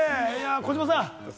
児嶋さん。